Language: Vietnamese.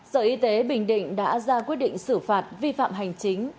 sở y tế bình định đã ra quyết định xử phạt vi phạm hành chính